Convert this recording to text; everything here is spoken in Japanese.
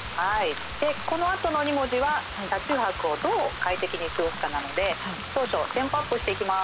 でこのあとの２文字は車中泊をどう快適に過ごすかなので少々テンポアップしていきます。